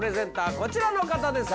こちらの方です